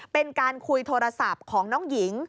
เป็นการคุยโทรศัพท์ของน้องหญิง